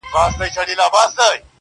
o چيري چي ښه هلته ئې شپه.